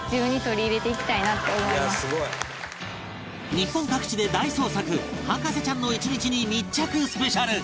日本各地で大捜索博士ちゃんの１日に密着スペシャル